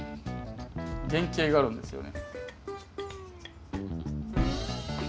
原型があるんですよね。